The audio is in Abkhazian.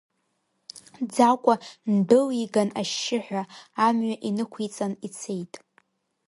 Ӡакәа ндәылиган ашьшьыҳәа, амҩа инықәиҵан ицеит.